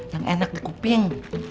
yang enak dikuping